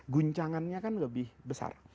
guncangannya kan lebih besar